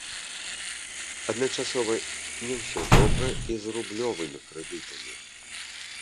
Адначасова не ўсё добра і з рублёвымі крэдытамі.